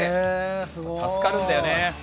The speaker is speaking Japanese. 助かるんだよね。